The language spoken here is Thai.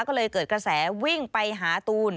ก็เลยเกิดกระแสวิ่งไปหาตูน